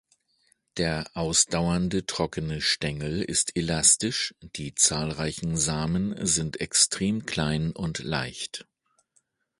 Der ausdauernde, trockene Stängel ist elastisch, die zahlreichen Samen sind extrem klein und leicht.